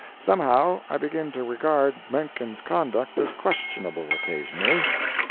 Somehow I begin to regard Menken's conduct as questionable, occasionally.